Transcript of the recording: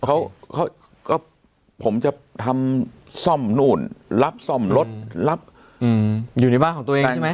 เขาก็ผมจะทำซ่อมนู่นรับซ่อมรถรับอยู่ในบ้านของตัวเองใช่ไหม